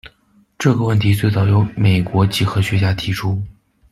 这个问题最早由美国几何学家提出。